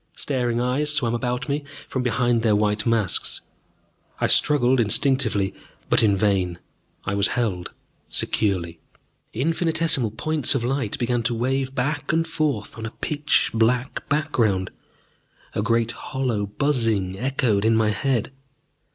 Staring eyes swam about me from behind their white masks. I struggled instinctively, but in vain I was held securely. Infinitesimal points of light began to wave back and forth on a pitch black background; a great hollow buzzing echoed in my head.